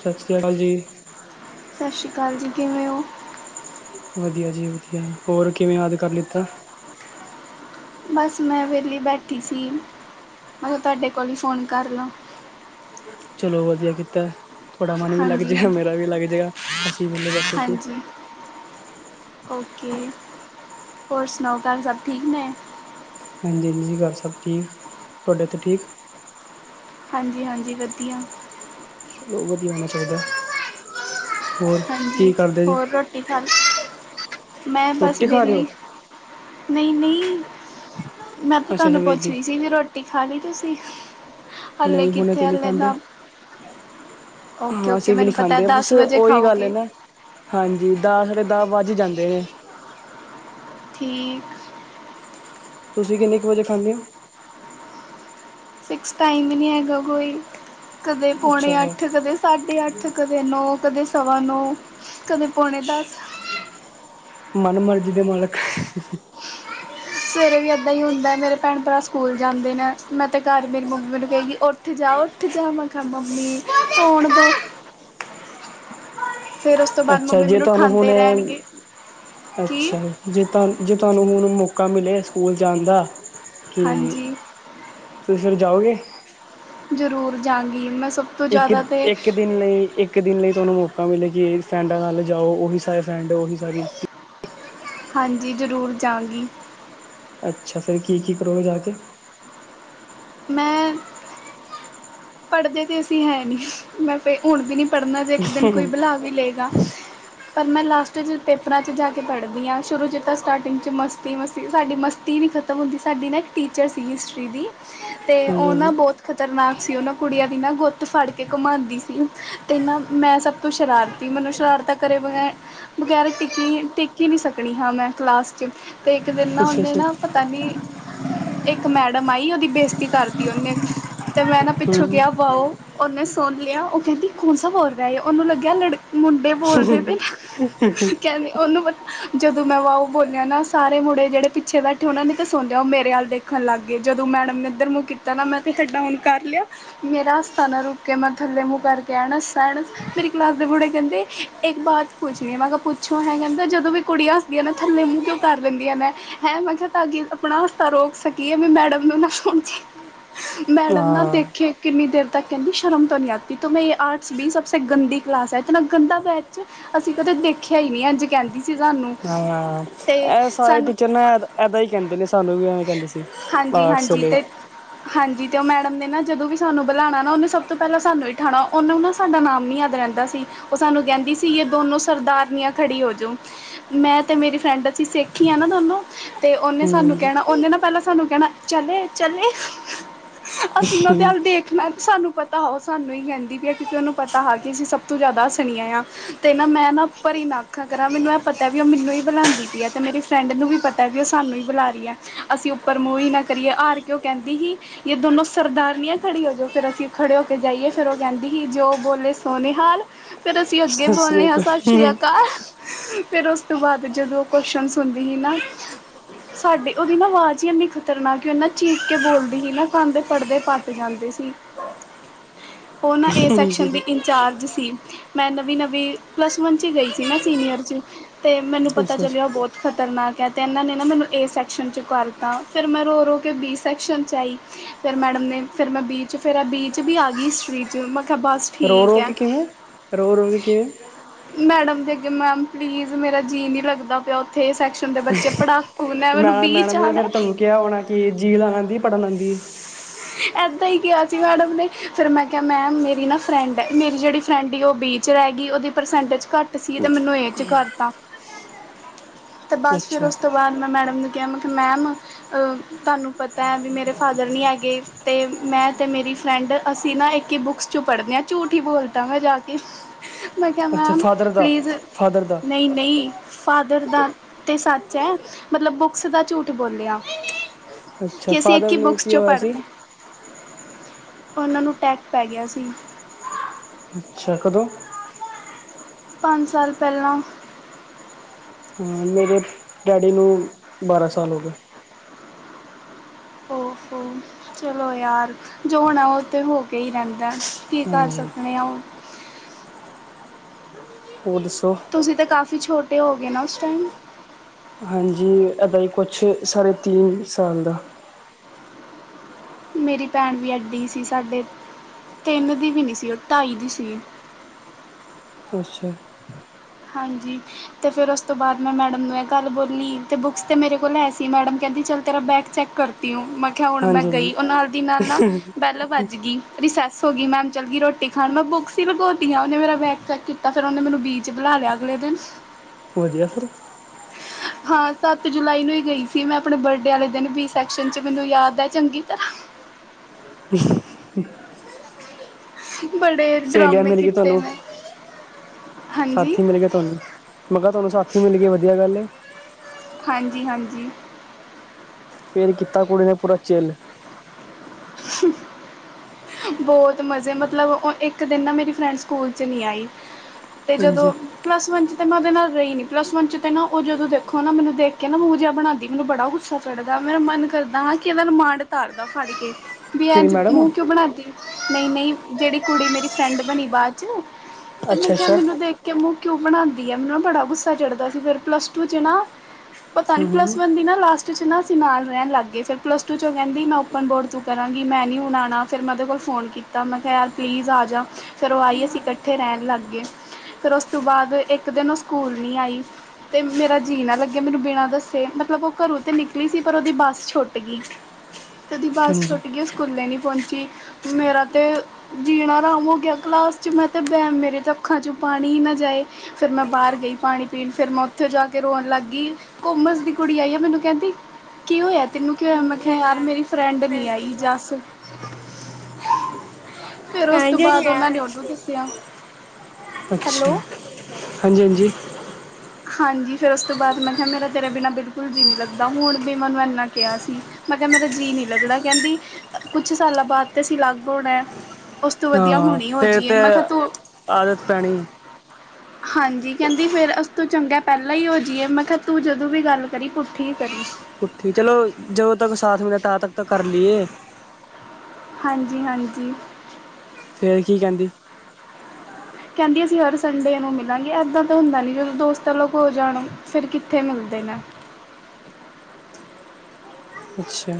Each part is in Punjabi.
ਸਤਿ ਸ਼੍ਰੀ ਅਕਾਲ ਜੀ ਸਤਿ ਸ਼੍ਰੀ ਅਕਾਲ ਜੀ, ਕਿਵੇਂ ਹੋ ਵਧੀਆ ਜੀ ਵਧੀਆ ਹੋਰ ਕਿਵੇਂ ਯਾਦ ਕਰ ਲਿੱਤਾ ਬਸ ਮੈਂ ਵਿਹਲੀ ਬੈਠੀ ਸੀ, ਮੈਂ ਕਿਹਾ ਤੁਹਾਡੇ ਕੋਲ ਹੀ ਫੋਨ ਕਰ ਲਾਂ ਚਲੋ ਵਧੀਆ ਕੀਤਾ, ਤੁਹਾਡਾ ਮਨ ਵੀ ਲੱਗ ਹਾਂਜੀ ਜੇਗਾ, ਹਾਂਜੀ ਮੇਰਾ ਵੀ ਲੱਗ ਜੇਗਾ, ਅਸੀਂ ਵਲੇ ਬੈਠੇ ਸੀ ਔਕੇ, ਹੋਰ ਸਨਾਉ ਘਰ ਸਭ ਠੀਕ ਨੇ ਹਾਂਜੀ- ਹਾਂਜੀ, ਘਰ ਸਭ ਠੀਕ, ਤੁਹਾਡੇ ਔ ਥੇ ਠੀਕ ਹਾਂਜੀ- ਹਾਂਜੀ ਵਦੀਆਂ ਚਲੋ ਵਧੀਆ ਹੋਣਾ ਚਾਹੀਦਾ, ਹੋਰ ਕੀ ਕਰਦੇ ਜੇ ਤੇ ਹੁਨ, ਮੈਂ ਬਸ ਰੋਟੀ ਖਾ ਰਹੇ ਹੋ ਵੇਹਲੀ ਨਹੀਂ ਨਹੀਂ, ਮੈਂ ਤੇ ਅੱਛਾ ਅੱਛਾ ਤੁਹਾਨੂੰ ਪੁੱਛ ਵੇਲੀ ਰਹੀ ਸੀ, ਵੀ ਰੋਟੀ ਰੋਟੀ ਖਾ ਲਈ ਤੁਸੀਂ ਹਾਲੇ ਨਹੀਂ ਹੁਣੇ ਕਿੱਥੇ ਤੇ ਨੀ ਹਾਲੇ ਖਾਂਦੇ ਤਾਂ ਓਕੇ ਹਾਂ ਓਕੇ ਅਸੀਂ ਵੀ ਨੀ ਮੈਨੂੰ ਪਤਾ ਖਾਂਦੇ ਆ, ਦਸ ਬਸ ਵਜੇ ਉਹੀ ਗੱਲ ਹੈ ਖਾਓਗੇ ਨਾ ਹਾਂਜੀ ਦਾ ਸਾਡੇ ਦਾਂ ਵੱਜ ਹੀ ਜਾਂਦੇ ਨੇ ਹ [unintelligible] ਠੀਕ ਤੁਸੀਂ ਕਿੰਨੇ ਕੁ ਵਜੇ ਖਾਂਦੇ ਹੋ ਫਿਕਸ ਟਾਈਮ ਇ ਨੀ ਹੈਗਾ ਕੋਈ, ਕਦੇ ਅੱਛਾ ਪੌਣੇ ਅੱਠ, ਕਦੇ ਸਾਢੇ ਅੱਠ, ਕਦੇ ਕਦੇ ਨੌਂ, ਕਦੇ ਸਵਾ ਨੌ, ਕਦੇ ਪੌਣੇ ਦਸ ਮਨ ਮਰਜ਼ੀ ਦੇ ਮਾਲਕ ਸਵੇਰੇ ਵੀ ਇੱਦਾਂ ਹੀ ਹੁੰਦਾ, ਮੇਰੇ ਭੈਣ ਭਰਾ ਸਕੂਲ ਜਾਂਦੇ ਨੇ, ਮੈਂ ਤਾਂ ਘਰ ਮੇਰੀ ਮੰਮੀ ਮੇਨੂੰ ਕਹੇਗੀ ਉੱਠ। ਉੱਠ ਜਾ, ਉੱਠ ਜਾ, ਮੈਂ ਕਿਹਾ ਮੰਮੀ ਸੌਣ ਦੋ ਫੇਰ ਉਸ ਤੋਂ ਬਾਅਦ ਅੱਛਾ ਮੰਮੀ ਜੇ ਮੈਨੂੰ ਤੁਹਾਨੂੰ ਉਠਾਂਦੇ ਹੁਣ ਰਹਿਣਗੇ, ਕੀ ਅੱਛਾ ਜੇ ਤਾਨੂੰ ਜੇ ਤੁਹਾਨੂੰ ਹੁਣ ਮੌਕਾ ਮਿਲੇ ਸਕੂਲ ਜਾਣ ਦਾ ਕਿ ਹਾਂਜੀ। ਟਯੂਸ਼ਨ ਜਾਓਗੇ ਜ਼ਰੂਰ ਜਾਂਗੀ ਮੈਂ ਸ ਇੱਕ- ਇੱਕ ਦਿਨ ਲਈ ਇੱਕ ਇੱਕ ਦਿਨ ਲਈ ਤੁਹਾਨੂੰ ਮੌਕਾ ਮਿਲੇ ਕਿ ਫਰੈਂਡਾਂ ਨਾਲ ਜਾਓ ਉਹੀ ਸਾਰੇ ਫਰੈਂਡ ਉਹੀ ਸਾਰੀ ਹਾਂਜੀ ਜ਼ਰੂਰ ਜਾਂਗੀ ਅੱਛਾ ਫਿਰ ਕੀ ਕੀ ਕਰੋਗੇ ਜਾ ਕੇ। ਮੈਂ ਪੜ੍ਹਦੇ ਤੇ ਅਸੀਂ ਹੈ ਨਹੀਂ ਮੈਂ ਫਿਰ ਹੁਣ ਵੀ ਨਹੀਂ ਪੜ੍ਹਨਾ ਤੇ ਇੱਕ ਦਿਨ ਕੋਈ ਬੁਲਾ ਵੀ ਲਏਗਾ ਪਰ ਮੈਂ ਲਾਸਟ 'ਚ ਪੇਪਰਾਂ 'ਚ ਜਾ ਕੇ ਪੜ੍ਹਦੀ ਹਾਂ ਸ਼ੁਰੂ 'ਚ ਤਾਂ ਸਟਾਰਟਿੰਗ 'ਚ ਮਸਤੀ ਮਸਤੀ ਸਾਡੀ ਮਸਤੀ ਨਹੀਂ ਖ਼ਤਮ ਹੋਗੀ ਸਾਡੀ ਨਾ ਇੱਕ ਟੀਚਰ ਸੀ ਹਿਸਟਰੀ ਦੀ ਤੇ ਹਾਂਜੀ ਉਹ ਹਾਂਜੀ ਨਾ ਬਹੁੱਤ ਖ਼ਤਰਨਾਕ ਸੀ ਉਹਨਾਂ ਕੁੜੀਆਂ ਦੀ ਨਾ ਗੁੱਤ ਫੜ ਕੇ ਘੁੰਮਾਉਂਦੀ ਸੀ ਤੇ ਨਾਂ ਮੈਂ ਸਭ ਤੋਂ ਸ਼ਰਾਰਤੀ ਕਿ ਮਤਲਬ ਸ਼ਰਾਰਤਾ ਕਰੇ ਬਗੈਰ ਬਗ਼ੈਰ ਟਿੱਕੀ ਟਿੱਕ ਈ ਨੀ ਸਕਣੀ ਹਾਂ ਮੈਂ ਕਲਾਸ ਚੱ ਤੇ ਇੱਕ ਦਿਨ ਨਾ ਅੱਛਾ ਹੁੰਦੇ ਅੱਛਾ ਨਾ ਤਾ ਨੀ ਇੱਕ ਮੈਡਮ ਆਈ ਉਹਦੀ ਬੇਜ਼ਤੀ ਕਰਤੀ ਉਹਨੇ ਤੇ ਮੈਂ ਨਾ ਪਿੱਛੋਂ ਹਮ ਕਿਹਾ ਵਾਓ ਉਹਨੇ ਸੁਣ ਲਿਆ ਉਹ ਕਹਿੰਦੀ ਕੌਣਸਾ ਬੋਲ ਰਿਹਾ ਉਹਨੂੰ ਲੱਗਿਆ ਲੜਕੇ ਮੁੰਡੇ ਬੋਲਦੇ ਪਏ ਨਾ ਕਹਿੰਦੇ ਉਹਨੂੰ ਪਤਾ ਜਦੋਂ ਮੈਂ ਵਾਓ ਬੋਲਿਆ ਨਾ ਸਾਰੇ ਮੁੰਡੇ ਜਿਹੜੇ ਪਿੱਛੇ ਬੈਠੇ ਉਹਨਾਂ ਨੇ ਤਾਂ ਸੁਣਿਆ ਉਹ ਮੇਰੇ ਵਲ ਦੇਂਖਣ ਦੇਂਖਣ ਲੱਗ ਗਏ ਜਦੋਂ ਮੈਡਮ ਨੇ ਇੱਧਰ ਮੂੰਹ ਕੀਤਾ ਨਾ ਮੈਂ ਤੇ ਸਾੱਡਾ ਹੁਣ ਕਰ ਲਿਆ ਮੇਰਾ ਹਾਸਾ ਨਾ ਰੁਕੇ ਮੈਂ ਥੱਲੇ ਮੂੰਹ ਕਰਕੇ ਐਂਣ ਹੱਸਾਂ ਮੇਰੀ ਕਲਾਸ ਦੇ ਮੁੰਡੇ ਕਹਿੰਦੇ ਇੱਕ ਬਾਤ ਪੁੱਛਣੀ ਆ ਮੈਂ ਕਿਹਾ ਪੁੱਛੋ ਹੈਂ ਕਹਿੰਦਾ ਜਦੋਂ ਵੀ ਕੁੜੀਆਂ ਕੁੜੀਆਂ ਨ ਥੱਲੇ ਮੂੰਹ ਕਿਉਂ ਕਰ ਲੈਂਦੀਆਂ ਨੇ ਹੈਂ ਮੈਂ ਕਿਹਾ ਤਾਂਕਿ ਆਪਣਾ ਹਾਸਾ ਰੋਕ ਸਕੀਏ ਕੀ ਮੈਡਮ ਨੂੰ ਨਾ ਸੁਣ ਜੇ ਨਾ ਹਾਂ ਦੇਖੇ ਕਿੰਨੀ ਦੇਰ ਤੱਕ ਕਹਿੰਦੀ ਸ਼ਰਮ ਤੋਂ ਨਹੀਂ ਆਤੀ ਤੁੰਮੇ ਆਰਟਸ ਵੀ ਸਭਸੇ ਗੰਦੀ ਕਲਾਸ ਹੈ ਇਤਨਾ ਗੰਦਾ ਬੈਚ ਅਸੀਂ ਕਦੇ ਦੇਖਿਆ ਹੀ ਨਹੀਂ ਇੰਝ ਕਹਿੰਦੀ ਸੀ ਸਾਨੂੰ ਹਾਂ ਤੇ ਇਹ ਸਾਰੇ ਸਾਨੂੰ ਟੀਚਰ ਨਾ ਇਦਾਂ ਹੀ ਕਹਿੰਦੇ ਨੇ ਸਾਨੂੰ ਵੀ ਐਵੇਂ ਕਹਿੰਦੇ ਸੀ ਹਾਂਜੀ ਆਰਟਸ ਹਾਂਜੀ ਵਾਲੇ ਤੇ ਹਾਂਜੀ ਤੇ ਉਹ ਮੈਂ ਮੈਡਮ ਨੇ ਨਾ ਜਦੋਂ ਵੀ ਸਾਨੂੰ ਬੁਲਾਉਣਾ ਨਾ ਉਹਨੇ ਸਭ ਤੋਂ ਪਹਿਲਾਂ ਸਾਨੂੰ ਹੀ ਉਠਾਉਣਾ ਉਹਨੂੰ ਨਾ ਸਾਡਾ ਨਾਮ ਨੀ ਯਾਦ ਰਹਿੰਦਾ ਸੀ ਉਹ ਸਾਨੂੰ ਕਹਿੰਦੀ ਸੀ ਇਹ ਦੋਨੋ ਸਰਦਾਰਨੀਆਂ ਖੜੀ ਹੋ ਜੋ ਮੈਂ ਤੇ ਮੇਰੀ ਫਰੈਂਡ ਅਸੀਂ ਸਿੱਖ ਈ ਆਂ ਨਾਂ ਦੋਨੋਂ ਤੇ ਉਹਨੇ ਹਾਂਜੀ ਸਾਨੂੰ ਕਹਿਣਾ ਉਹਨੇ ਨਾ ਪਹਿਲਾਂ ਸਾਨੂੰ ਕਹਿਣਾ ਚੱਲੇ ਚੱਲੇ ਅਸੀਂ ਇਹਨਾਂ ਦੇ ਹਾਂਜੀ ਅੱਲ ਦੇਖਣਾ ਸਾਨੂੰ ਪਤਾ ਤਾਂ ਉਹ ਸਾਨੂੰ ਹੀ ਕਹਿੰਦੀ ਪਈ ਹੈ ਕਿਉਂਕਿ ਉਹਨੂੰ ਪਤਾ ਹੈ ਕੀ ਅਸੀਂ ਸਭ ਤੋਂ ਜ਼ਿਆਦਾੱ ਹਸਣੀਆਂ ਆਂ ਤੇ ਨਾ ਮੈਂ ਨਾ ਉਪਰ ਈ ਨਾ ਅੱਖਾਂ ਕਰਾਂ ਮੈਨੂੰ ਇਹ ਪਤੈ ਵੀ ਉਹ ਮੈਨੂੰ ਹੀ ਬਲਾਂਦੀ ਪਈ ਹੈ ਤੇ ਮੇਰੀ ਫਰੈਂਡ ਨੂੰ ਵੀ ਪਤਾ ਵੀ ਉਹ ਸਾਨੂੰ ਹੀ ਬੁਲਾ ਰਹੀ ਹੈ ਅਸੀਂ ਉੱਪਰ ਮੂੰਹ ਹੀ ਨਾ ਕਰੀਏ ਹਾਰ ਕੇ ਉਹ ਕਹਿੰਦੀ ਕਿ ਦੋਨੋਂ ਸਰਦਾਰਨੀਆਂ ਖੜੀ ਹੋ ਜੋ ਫੇਰ ਅਸੀਂ ਖੜੇ ਹੋ ਕੇ ਜਾਈਏ ਫਿਰ ਉਹ ਕਹਿੰਦੀ ਸੀ ਜੋ ਬੋਲੇ ਸੋ ਨਿਹਾਲ ਫੇਰ ਅਸੀਂ ਅੱਗੇ ਸਤਿ ਸ੍ਰੀ ਬੋਲਨੇ ਆਂ ਸਤਿ ਸ਼੍ਰੀ ਅਕਾਲ ਫੇਰ ਉਸ ਤੋਂ ਬਾਅਦ ਜਦੋਂ ਕੋਸ਼ਨ ਸੁਣਦੀ ਸੀ ਨਾ ਸਾਡੇ ਉਹਦੀ ਨਾ ਆਵਾਜ਼ ਹੀ ਇੰਨੀ ਖੱਤਰਨਾਕ ਹੈ ਉਹ ਨਾ ਚੀਕ ਕੇ ਬੋਲਦੀ ਸੀ ਨਾ ਕੰਨ ਦੇ ਪੜ੍ਹਦੇ ਪੱਟ ਜਾਂਦੇ ਸੀ ਉਹਨਾਂ ਏ ਸੈਕਸ਼ਨ ਦੀ ਚਾਰਜ ਸੀ ਮੈਂ ਨਵੀਂ ਨਵੀਂ ਪਲੱਸ ਵਨ 'ਚ ਗਈ ਸੀ ਮੈਂ ਸੀਨੀਅਰ 'ਚ ਤੇ ਮੈਨੂੰ ਪਤਾ ਅੱਛਾ ਚੱਲਿਆ ਅੱਛਾ ਬਹੁਤ ਖ਼ਤਰਨਾਕ ਹੈ ਅਤੇ ਇਹਨਾਂ ਨੇ ਨਾ ਮੈਨੂੰ ਏ ਸੈਕਸ਼ਨ 'ਚ ਕਰਤਾ ਫਿਰ ਮੈਂ ਰੋ ਰੋ ਕੇ ਬੀ ਸੈਕਸ਼ਨ 'ਚ ਆਈ ਫੇਰ ਮੈਡਮ ਨੇ ਫੇਰ ਮੈਂ ਬੀ ਚੱ ਫਿਰ ਬੀ ਚੱ ਵੀ ਆ ਗਈ ਹਿਸਟਰੀ 'ਚ ਮੈਂ ਕਿਹਾ ਬਸ ਰੋ ਠੀਕ ਰੋ ਕੇ ਹੈ। ਕਿਵੇਂ ਰੋ ਰੋ ਕਿ ਕਿਵੇਂ ਮੈਡਮ ਦੇ ਅੱਗੇ ਮੈਮ ਪਲੀਜ਼ ਮੇਰਾ ਜੀਅ ਨਹੀਂ ਲੱਗਦਾ ਪਿਆ ਉੱਥੇ ਏ ਸੈਕਸ਼ਨ ਦੇ ਬੱਚੇ ਪੜਾਕੂ ਨੇ ਮੈਨੂੰ ਮੈਂ ਬੀ ਚ ਮੈਡਮ ਨੇ ਆਣੈ ਫਿਰ ਤੁਹਾਨੂੰ ਕਿਹਾ ਹੋਣੈ ਕੀ ਜੀਅ ਲਾਨ ਆਂਦੀ ਪੜਨ ਆਂਦੀ ਇੱਦਾਂ ਹੀ ਕਿਆ ਸੀ ਮੈਡਮ ਨੇ ਫਿਰ ਮੈਂ ਕਿਹਾ ਮੈਮ ਮੇਰੀ ਨਾ ਫਰੈਂਡ ਹੈ ਮੇਰੀ ਜਿਹੜੀ ਫਰੈਂਡ ਉਹ ਬੀ ਚੱ ਰਹਿ ਗਈ ਉਹਦੀ ਪਰਸੈਂਟੇਜ ਘੱਟ ਸੀ ਤੇ ਮੈਨੂੰ ਏ ਚ ਕਰਤਾ ਤੇ ਬਸ ਫੇਰ ਅੱਛਾ ਉਸ ਤੋਂ ਬਾਅਦ ਮੈਡਮ ਨੇ ਕਿਹਾ, ਮੈਂ ਮੈਮ ਤੁਹਾਨੂੰ ਪਤਾ ਹੈ ਵੀ ਮੇਰੇ ਫਾਦਰ ਨਹੀਂ ਹੈਗੇ। ਗੇ ਅਤੇ ਮੈਂ ਅਤੇ ਮੇਰੀ ਫਰੈਂਡ ਅਸੀਂ ਨਾ ਇੱਕ ਹੀ ਬੁੱਕਸ 'ਚ ਪੜ੍ਹਦੇ ਹਾਂ ਝੂਠ ਹੀ ਬੋਲਦਾ ਮੈਂ ਜਾ ਕੇ। ਮੈ ਕਿਹਾ, ਅੱਛਾ ਮੈਮ ਫਾਦਰ ਦਾ ਪੁਲੀਸ, ਫਾਦਰ ਦਾ ਨਹੀਂ। ਨਹੀਂ ਫਾਦਰ ਦਾ ਤੇ ਸੱਚ ਹੈ। ਮਤਲਬ ਬੁੱਕਸ ਦਾ ਝੂਠ ਬੋਲਿਆ। ਅੱਛਾ ਕਿ ਅਸੀਂ ਇੱਕ ਫਾਦਰ ਹੀ ਨੂੰ ਬੁੱਕਸ ਕੀ ਚ' ਹੋਇਆ ਸੀ ਉਹਨਾਂ ਨੂੰ ਅਟੈਕ ਪੈ ਗਿਆ ਸੀ। ਅੱਛਾ ਕਦੋਂ? ਪੰਜ ਸਾਲ ਪਹਿਲਾਂ। ਮੇਰੇ ਡੈਡੀ ਨੂੰ ਬਾਰ੍ਹਾਂ ਸਾਲ ਹੋ ਗਏ। ਚਲੋ ਯਾਰ, ਜੋ ਹੁਣਾ ਉਹ ਤੇ ਹੋ ਕੇ ਹੀ ਰਹਿੰਦਾ। ਕੀ ਕਰ ਹਾਂਜੀ ਸਕਦੇ ਆ। ਹੋਰ ਦੱਸੋ। ਤੁਸੀਂ ਤਾਂ ਕਾਫੀ ਛੋਟੇ ਹੋ ਗਏ ਨਾ ਉਸ ਟਾਈਮ। ਹਾਂਜੀ, ਏਦਾਂ ਕੁਛ ਸਾਡੇ ਤਿੰਨ ਸਾਲ ਦਾ। ਮੇਰੀ ਭੈਣ ਵੀ ਐਡੀ ਸੀ। ਸਾਡੇ ਤਿੰਨ ਦੀ ਵੀ ਨਹੀਂ ਸੀ ਉਹ ਢਾਈ ਦੀ ਸੀ। ਅੱਛਾ। ਹਾਂਜੀ। ਅਤੇ ਫਿਰ ਉਸ ਤੋਂ ਬਾਅਦ ਮੈਂ ਮੈਡਮ ਨੂੰ ਇਹ ਗੱਲ ਬੋਲੀ ਅਤੇ ਬੁੱਕਸ ਤਾਂ ਮੇਰੇ ਕੋਲ ਹੈ ਸੀ। ਮੈਡਮ ਕਹਿੰਦੀ ਚੱਲ ਤੇਰਾ ਬੈਗ ਚੈੱਕ ਕਰ ਤਂ ਮੈਂ ਕਿਹਾ, ਹੁਣ ਮੈਂ ਹਾਂਜੀ ਹਾਂਜੀ ਗਈ। ਉਹ ਨਾਲ ਦੀ ਨਾਲ ਨਾ ਬੇਲ ਵੱਜ ਗਈ। ਰਿਸੈਸ ਹੋ ਗਈ ਮੈਮ ਚੱਲ ਗਈ ਰੋਟੀ ਖਾਣ ਮੈਂ ਬੁੱਕਸ ਹੀ ਲਗਉਤੀ ਹਾਂ ਉਹਨੇ ਮੇਰਾ ਬੈਕ ਚੈੱਕ ਕੀਤਾ। ਫਿਰ ਉਹਨੇ ਬ ਬੁਲਾ ਲਿਆ ਅਗਲੇ ਦਿਨ। ਵਧੀਆ ਫ਼ਿਰ। ਹਾਂ, ਸੱਤ ਜੁਲਾਈ ਨੂੰ ਹੀ ਗਈ ਸੀ ਮੈਂ ਆਪਣੇ ਬਰਥਦੇ ਵਾਲੇ ਦਿਨ ਵੀ ਸੈਕਸ਼ਨ 'ਚ ਮੈਨੂੰ ਯਾਦ ਹੈ ਚੰਗੀ ਤਰ੍ਹਾਂ। ਹਮ। ਬੜੇ ਸਹੇਲੀਆਂ ਡਰਾਮੇ ਮਿਲ ਗਈ ਕੀਤੇ ਤੁਹਾਨੂੰ ਮੈ। ਸਾਥੀ ਮਿਲ ਗਏ ਤੁਹਾਨੂੰ ਮੈਂ ਕਿਹਾ, ਤੁਹਾਨੂੰ ਸਾਥੀ ਮਿਲ ਗਏ ਵਧੀਆ ਗੱਲ ਹੈ। ਹਾਂਜੀ- ਹਾਂਜੀ। ਫਿਰ ਕੀਤਾ ਕੁੜੀ ਨੇ ਪੂਰਾ ਚਿੱਲ। [unintelligible] ਬਹੁਤ ਮਜ਼ੇ, ਮਤਲਬ ਇੱਕ ਦਿਨ ਨਾ ਮੇਰੀ ਫਰੈਂਡ ਸਕੂਲ 'ਚ ਨਹੀਂ ਆਈ। ਅਤੇ ਜਦੋਂ ਹਾਂਜੀ ਪਲੱਸ ਵਨ ਚ' ਤੇ ਮੈਂ ਉਹਦੇ ਨਾਲ ਰਹੀ ਨੀ ਪਲੱਸ ਵਨ ਚ' ਤੇ ਮੈ ਨਾ ਉਹ ਜਦੋਂ ਦੇਖੋ ਨਾ ਮੈਨ ਦੇਖ ਕੇ ਨਾ ਮੂੰਹ ਜਾ ਬਣਾਂਦੀ ਮੈਨੂੰ ਬੜਾ ਗੁੱਸਾ। ਚੜ੍ਹਦਾ ਮੇਰਾ ਮਨ ਕਰਦਾ ਹਾਂ ਕਿ ਇਹਦਾ ਨੂੰ ਮਾਂਡ- ਤਾਰਦਾ ਫੜ ਕੇ। ਵੀ ਕਿਹੜੀ ਅੱਜ ਮੈਡਮ ਮੂੰਹ ਕਿਉਂ ਬਣਾਦੀ। ਨਹੀਂ -ਨਹੀਂ ਜਿਹੜੀ ਕੁੜੀ ਮੇਰੀ ਫਰੈਂਡ ਬਣੀ ਬਾਅਦ ਤੇ ਮੈਂ ਅੱਛਾ ਕਿਹਾ, ਅੱਛਾ ਮੈਨੂੰ ਦੇਖ ਕਿ ਮੁੰਹ ਕਿਉ ਬਣਾਉਂਦੀ। ਪਤਾ ਨੀ ਹੂੰ ਪਲੱਸ ਹੂੰ ਵਨ ਦੀ ਨਾ ਲਾਸਟ ਚ' ਨਾ ਅਸੀਂ ਨਾਲ ਰਹਿਣ ਲੱਗ ਗਏ। ਫਿਰ ਪਲੱਸ ਟੂ ਚੋਂ ਕਹਿੰਦੀ ਮੈਂ ਓਪਨ ਬੋਰਡ ਚ' ਕਰਾਂਗੀ ਮੈਂ ਨਹੀਂ ਹੁਣਾ ਆਉਣਾ। ਫਿਰ ਮੈਂ ਉਹਦੇ ਕੋਲ ਫੋਨ ਕੀਤਾ ਮੈਂ ਕਿਹਾ ਪਲੀਜ਼ ਆ ਜਾ। ਫਿਰ ਉਹ ਆਈ ਅਸੀਂ ਇਕੱਠੇ ਰਹਿਣ ਲੱਗ ਗਏ। ਫਿਰ ਉਸ ਤੋਂ ਬਾਅਦ ਇੱਕ ਦਿਨ ਉਹ ਸਕੂਲ ਨਹੀਂ ਆਈ। ਤੇ ਮੇਰਾ ਜੀਅ ਨਾ ਲੱਗੇ। ਮੈਨੂੰ ਬਿਨਾਂ ਦੱਸੇ, ਮਤਲਬ ਉਹ ਘਰੋਂ ਤੇ ਨਿਕਲੀ ਸੀ ਪਰ ਉਹਦੀ ਬੱਸ ਛੁੱਟ ਗਈ। ਕਦੀ ਬੱਸ ਹਾਂਜੀ ਛੁੱਟ ਗਈ ਸਕੂਲੇ ਨਹੀਂ ਪਹੁੰਚੀ। ਮੇਰਾ ਤੇ ਜੀਣਾ ਆਰਾਮ ਹੋ ਗਿਆ ਕਲਾਸ ਚ' ਮੈਂ ਤੇ ਬੈ ਮੇਰੇ ਅੱਖਾਂ ਚੋਂ ਪਾਣੀ ਨਾ ਜਾਏ। ਫਿਰ ਮੈਂ ਬਾਹਰ ਗਈ। ਪਾਣੀ- ਪੀਣ ਫਿਰ ਮੈਂ ਉੱਥੋਂ ਜਾ ਕੇ ਰੋਣ ਲੱਗ ਗਈ। ਕੋਮਸ ਦੀ ਕੁੜੀ ਆਈ ਆ ਮੈਨੂੰ ਕਹਿੰਦੀ ਕਿ ਹੋਇਆ ਤੈਨੂੰ, ਕਿ ਹੋਇਆ। ਮੈਂ ਕਿਹਾ, ਯਾਰ ਮੇਰੀ ਫਰੈਂਡ ਨੀ ਆਈ। ਜੱਸ। ਫਿਰ ਉਸ ਤੋਂ ਬਾਅਦ ਉਹਨਾਂ ਨੇ ਉਹਨੂੰ ਦੱਸਿਆ। ਅੱਛਾ ਹੈਲੋ, ਹਾਂਜੀ- ਹਾਂਜੀ। ਹਾਂਜੀ, ਫਿਰ ਉਸ ਤੋਂ ਬਾਅਦ ਮੈਂ ਕਿਹਾ, ਮੇਰਾ ਤੇਰੇ ਬਿਨਾਂ ਬਿਲਕੁਲ ਜੀ ਨਹੀਂ ਲੱਗਦਾ ਹੁਣ ਵੀ ਮੈਨੂੰ ਇੰਨਾ ਕਿਹਾ ਸੀ। ਮੈਂ ਕਿਹਾ, ਮੇਰਾ ਜੀਅ ਨਹੀਂ ਲੱਗਣਾ ਕਹਿੰਦੀ, ਕੁਛ ਸਾਲਾਂ ਬਾਅਦ ਤਾਂ ਅਸੀਂ ਅਲੱਗ ਹੋਣਾ। ਉਸ ਤੋਂ ਵਧੀਆ ਹਾਂ ਹੁਣੀ ਹੋ ਫਿਰ ਜਾਈਏ। ਤੇ ਆਦਤ ਪੈਣੀ। ਹਾਂਜੀ, ਕਹਿੰਦੀ ਫੇਰ ਐਤੋ ਚੰਗਾ, ਪਹਿਲਾਂ ਹੀ ਹੋ ਜਾਈਏ। ਮੈਂ ਕਿਹਾ ਤੂੰ, ਜਦੋਂ ਵੀ ਗੱਲ ਕਰੀ, ਪੁੱਠੀ ਹੀ ਕਰੀ। ਪੁੱਠੀ। ਚਲੋ ਜਦੋਂ ਤੱਕ, ਸਾਥ ਮਿਲੇ, ਤਾਂ ਤੱਕ ਤੇ, ਕਰ ਲਈਏ। ਹਾਂਜੀ-ਹਾਂਜੀ। ਫੇਰ ਕੀ, ਕਹਿੰਦੀ। ਕਹਿੰਦੀ ਅਸੀਂ, ਹਰ ਸੰਡੇ ਨੂੰ ਮਿਲਾਂਗੇ। ਇੱਦਾਂ ਤਾਂ ਹੁੰਦਾ ਨਹੀਂ। ਜਦੋਂ ਦੋਸਤ ਅਲੋਗ ਹੋ ਜਾਣ। ਫੇਰ ਕਿੱਥੇ, ਮਿਲਦੇ ਨੇ। ਅੱਛਾ।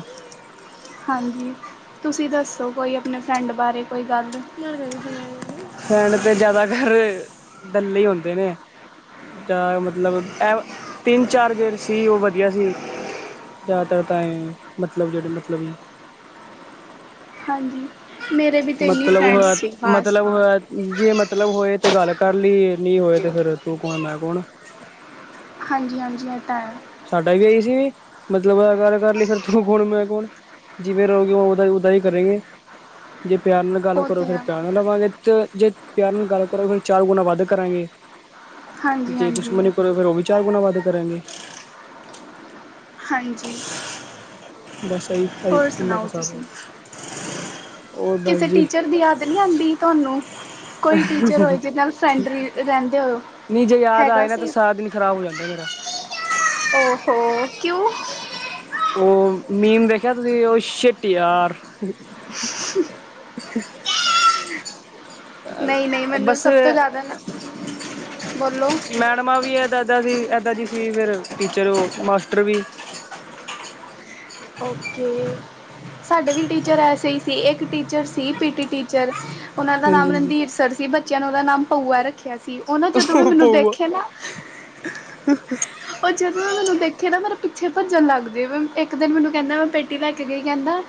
ਹਾਂਜੀ। ਤੁਸੀਂ ਦੱਸੋ ਕੋਈ, ਆਪਣੇ ਫਰੈਂਡ ਬਾਰੇ, ਕੋਈ ਗੱਲ। ਲੜ ਗ [unintelligible] ਫਰੈਂਡਹ ਤੇ ਜਿਆਦਾਤਰ, ਕੱਲੇ ਹੀ ਹੁੰਦੇ ਨੇ। ਤਾਂ ਮਤਲਬ, ਐ ਤਿੰਨ-ਚਾਰ ਜਿਹੜੇ ਸੀ। ਉਹ ਵਧੀਆ ਸੀ। ਜ਼ਿਆਦਾ ਤਾਈਂ, ਮਤਲਬ ਜਿਹੜੇ, ਮਤਲਬੀ ਹਾਂਜੀ। ਮੇਰੀ ਤੇ, ਇੰਨੀ ਫ ਮਤਲਬ ਮਤਲਬ ਜੇ, ਮਤਲਬ ਹੋਏ ਤੇ ਗੱਲ ਕਰ ਲਈ। ਨਹੀਂ ਹੋਏ ਤੇ, ਫੇਰ ਤੂੰ ਕੌਣ, ਮੈਂ ਕੌਣ। ਹਾਂਜੀ-ਹਾਂਜੀ, ਇਹ ਤਾਂ ਹੈ। ਸਾਡਾ ਵੀ ਆਈ ਸੀ, ਵੀ ਮਤਲਬ ਅਗਰ ਗੱਲ ਕਰ ਲਈ, ਫੇਰ ਤੂੰ ਕੌਣ ਮੈਂ ਕੌਣ। ਜਿਵੇਂ ਰਹੋਗੇ। ਉਦਾ ਹੀ ਉਦਾ ਹੀ ਕਰੇਗੇ, ਜੇ ਪਿਆਰ ਨਾਲ ਗੱਲ ਉਹ ਕਰੋ ਤਾਂ ਫੇਰ ਹੈ ਪਿਆਰ ਨਾਲ ਲਵਾਂਗੇ। ਤੇ ਜੇ ਪਿਆਰ ਨਾਲ, ਗੱਲ ਕਰੋ ਫੇਰ ਚਾਰ ਗੁਣਾ, ਵੱਧ ਕਰਾਂਗੇ। ਹਾਂਜੀ ਜੇ ਹਾਂਜੀ ਦੁਸ਼ਮਣੀਪੁਰ ਫੇਰ ਉਹ ਵੀ, ਚਾਰ ਗੁਣਾ ਵਧ ਕਰਾਂਗੇ। ਹਾਂਜੀ। ਬਸ ਇਹੀ ਹੋਰ ਇੰਨਾ ਕੁ ਸੁਣਾਓ ਹਿਸਾਬ ਤੁਸੀਂ? ਹੋਰ ਬਸ ਕਿਥੇ ਜੀ ਟੀਚਰ ਦੀ ਯਾ ਨੀ ਆਉਂਦੀ, ਤੁਹਾਨੂੰ। ਕੋਈ ਟੀਚਰ ਹੋਏ। ਜਿਹਦੇ ਨਾਲ, ਫਰੈਂਡ ਰਹਿੰਦੇ ਹੋਏ। ਹੈਗਾ ਸੀ। ਖਰਾਬ ਹੋ ਜਾਂਦ। ਮੇਰਾ ਓਹੋ ਹੋੋ, ਕਿਉ? ਉਹ ਮੀਮ, ਵੇਖਿਆ ਤੁਸੀਂ, ਉਹ ਛੀਟ ਯਾਰ। ਨਹੀਂ ਨਹੀਂ [unintelligible] ਮੈਨੂੰ ਬੱਸ, ਸਭ ਤੋਂ ਜ਼ਿਆਦਾ ਨਾ ਬੋਲੋ ਮੈਡਮਾਂ ਵੀ ਹੈ। ਇਦਾ ਜੀ, ਏਦਾ ਜੀ ਸੀ। ਸੀ ਫੇਰ ਟੀਚਰ, ਮਾਸਟਰ ਵੀ ਓਕੇ। ਸਾਡੇ ਵੀ, ਟੀਚਰ ਐਸੇ ਹੀ ਸੀ। ਇੱਕ ਟੀਚਰ ਸੀ ਪੀਟੀ ਟੀਚਰ। ਉਹਨਾਂ ਦਾ ਹਾਂਜੀ ਨਾਮ, ਹਾਂਜੀ ਰਣਧੀਰ ਸਰ ਸੀ। ਬੱਚਿਆਂ ਨੇ ਉਹਦਾ ਨਾਮ, ਪਊਆ ਰੱਖਿਆ ਸੀ। ਉਹਨਾਂ ਜਦੋਂ ਵੀ ਮੈਨੂੰ ਪਓਾਆ ਦੇਖੇ ਨਾ ਉਹ ਜਦੋਂ। ਮੈਂ, ਮੈਨੂੰ ਦੇਖੇ ਨਾ, ਮੇਰੇ ਪਿੱਛੇ ਭੱਜਣ ਲੱਗ ਦੇ। ਇੱਕ ਦਿਨ, ਮੈਨੂੰ ਕਹਿੰਦਾ, ਮੈਂ ਪੇਟੀ ਲੈ ਕੇ ਗਈ। ਕਹਿੰਦਾ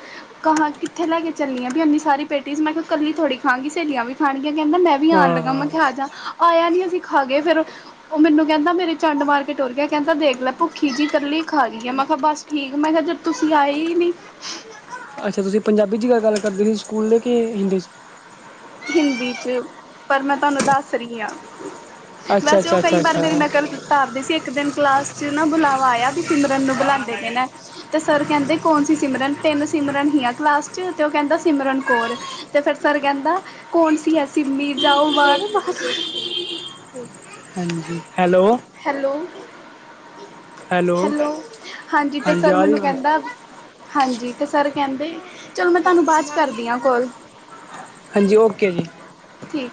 ਕਾਂਹਾ, ਕਿੱਥੇ ਲੈ ਕੇ ਚੱਲਣੀ ਆ। ਵੀ ਇੰਨੀ ਸਾਰੀ ਪੇਟੀਜ਼, ਮੈਂ ਕਿਹਾ ਕੱਲੀ ਥੋੜੀ ਖਾਂਓਗੀ, ਸਹੇਲੀਆਂ ਵੀ ਖਾਣਗੀਆਂ। ਕਹਿੰਦਾ ਮੈਂ ਵੀ ਆਉਣ ਲੱਗਾ। ਮੈਂ ਕਿਹਾ ਹਾਂ ਆਜਾ, ਆਇਆ ਨੀ ਅਸੀਂ ਖਾਗੇ ਫੇਰ, ਉਹ ਮੈਨੂੰ ਕਹਿੰਦਾ। ਮੇਰੇ ਚਾ ਟੋੁਰ ਗਿਆ। ਕਹਿੰਦਾ ਦੇਖ ਲੈ ਭੁੱਖੀ ਜੀ, ਕੱਲੀ ਖਾ ਰਹੀ ਆ। ਮੈਂ ਕਿਹਾ ਬਸ ਠੀਕ, ਮੈਂ ਕਿਹਾ ਜ ਤੁਸੀਂ ਆਏ ਨੀ। ਅੱਛਾ। ਤੁਸੀਂ ਪੰਜਾਬੀ ਚ ਗੱਲ ਕਰਦੇ ਸੀ। ਸਕੂਲ ਲੇ, ਕਿ ਹਿੰਦੀ ਚ। ਹਿੰਦੀ ਚ। ਪਰ ਮੈਂ ਤੁਹਾਨੂੰ, ਦੱਸ ਰਹੀ ਹਾਂ। ਅੱਛਾ ਵੈਸੇ ਉਹ, ਅੱਛਾ ਕਈ ਅੱਛਾ ਵਾਰ, ਅੱਛਾ ਮੇਰੀ ਨਕਲ ਤਾਰਦੇ ਸੀ। ਇੱਕ ਦਿਨ ਕਲਾਸ ਚ, ਨਾ ਬੁਲਾਵਾ ਆਇਆ ਵੀ, ਸਿਮਰਨ ਨੂੰ ਬੁਲਾਉਂਦੇ ਪਏ ਨੇ। ਤੇ, ਸਰ ਕਹਿੰਦੇ ਕੌਣ ਸੀ ਸਿਮਰਨ। ਤਿੰਨ ਸਿਮਰਨ ਹੀ ਆ, ਕਲਾਸ ਚ। ਤੇ ਉਹ ਕਹਿੰਦਾ ਸਿਮਰਨ ਕੌਰ। ਤੇ ਫੇਰ ਸਰ ਕਹਿੰਦਾ। ਕੌਣ ਸੀ ਆ ਸਿਮੀ, ਜਾਓ ਬਾਹਰ। ਹਾਂਜੀ, ਹੈਲੋ। ਹੈਲੋ। [inaudible] ਹੈਲੋ, ਹਾਂਜੀ ਤੇ ਸਰ ਆ ਰਹੀ ਮੈਨੂੰ ਆਵਾਜ਼ ਕਹਿੰਦਾ, ਹਾਂਜੀ, ਤੇ ਸਰ ਕਹਿੰਦੇ ਚਲੋ ਮੈਂ ਤੁਹਾਨੂੰ ਬਾਅਦ ਚ ਕਰਦੀ ਆਂ ਕੋਲ। ਹਾਂਜੀ ਓਕੇ ਜੀ ਠੀਕ